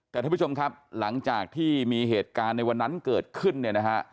แต่ท่านผู้ชมครับหลังจากที่มีเหตุการณ์ในวันนั้นเกิดขึ้นเนี่ยนะฮะ